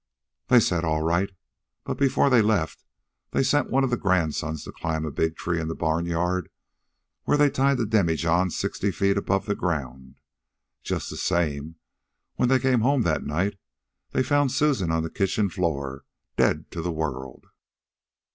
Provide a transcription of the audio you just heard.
They said all right, but before they left they sent one of the grandsons to climb a big tree in the barnyard, where he tied the demijohn sixty feet from the ground. Just the same, when they come home that night they found Susan on the kitchen floor dead to the world."